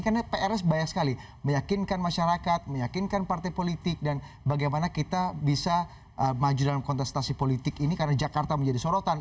karena prs banyak sekali meyakinkan masyarakat meyakinkan partai politik dan bagaimana kita bisa maju dalam kontestasi politik ini karena jakarta menjadi sorotan